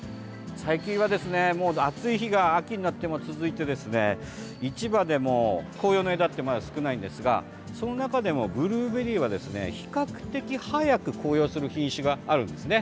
最近は、もう暑い日が秋になっても続いて市場でも紅葉の枝ってまだ少ないんですがその中でもブルーベリーは比較的早く紅葉する品種があるんですね。